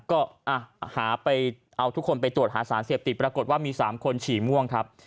ก็หาไปเอาทุกคนไปตรวจหาสารเสพติดปรากฏว่ามี๓คนฉี่ม่วงครับ